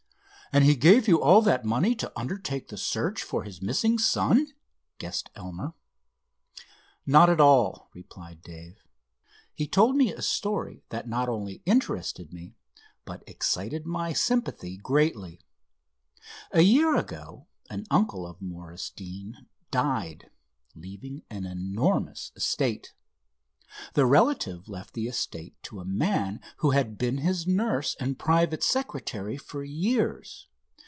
"And he gave you all that money to undertake the search for his missing son?" guessed Elmer. "Not at all," replied Dave. "He told me a story that not only interested me, but excited my sympathy greatly. A year ago an uncle of Morris Deane died, leaving an enormous estate. The relative left the estate to a man who had been his nurse and private secretary for years.